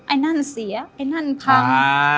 ไอ้นั่นเสียไอ้นั่นพัง